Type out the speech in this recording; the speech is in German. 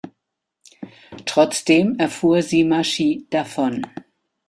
Trotzdem erfuhr Sima Shi davon.